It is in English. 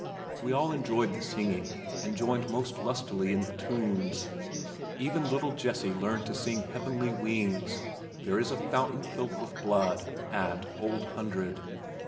We all enjoyed the singing, and joined most lustily in the tunes. Even little Jessie learned to sing Heavenly Wings, There is a Fountain filled with Blood, and Old Hundred.